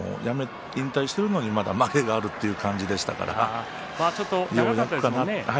引退しているのにまげがあるという感じでした。